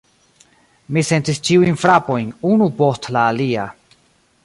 Mi sentis ĉiujn frapojn, unu post la alia.